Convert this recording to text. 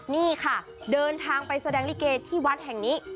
นี่ค่ะเดินทางไปแสดงลิเกที่วัดแห่งนี้